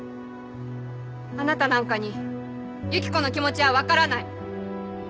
あなたなんかにユキコの気持ちは分からない。